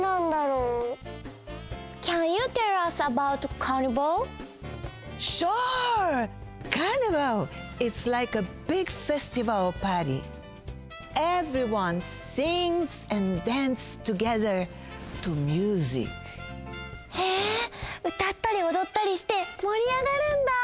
うたったりおどったりしてもり上がるんだ！